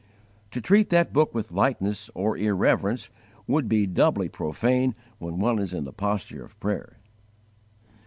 To treat that Book with lightness or irreverence would be doubly profane when one is in the posture of prayer.